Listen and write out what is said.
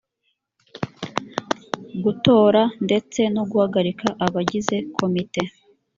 gutora ndetse no guhagarika abagize komite